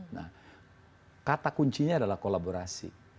nah kata kuncinya adalah kolaborasi